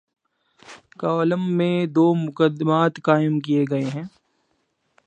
Column میں دومقدمات قائم کیے گئے ہیں۔